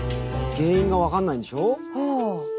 原因が分かんないんでしょ？ああ。